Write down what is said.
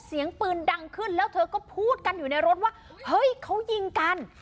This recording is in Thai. เสียงปืนดังขึ้นแล้วเธอก็พูดกันอยู่ในรถว่าเฮ้ยเขายิงกัน